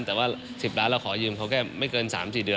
แต่ว่า๑๐ล้านเราขอยืมเขาแค่ไม่เกิน๓๔เดือน